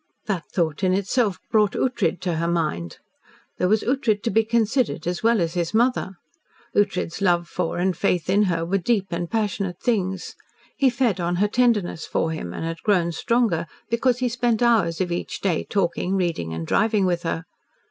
That thought, in itself, brought Ughtred to her mind. There was Ughtred to be considered as well as his mother. Ughtred's love for and faith in her were deep and passionate things. He fed on her tenderness for him, and had grown stronger because he spent hours of each day talking, reading, and driving with her.